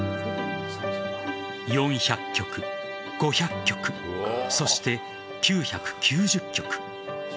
４００曲、５００曲そして９９０曲。